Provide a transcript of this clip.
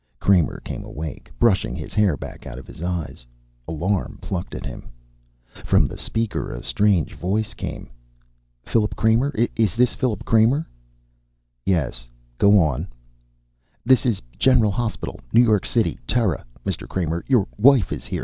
Kramer came awake, brushing his hair back out of his eyes. Alarm plucked at him. From the speaker a strange voice came. "Philip Kramer? Is this Kramer?" "Yes. Go on." "This is General Hospital, New York City, Terra. Mr. Kramer, your wife is here.